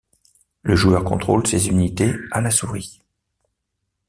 Le joueur contrôle ses unités à la souris.